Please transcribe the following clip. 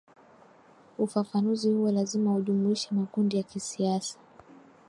ufafanuzi huo lazima ujumuishe makundi ya kisiasa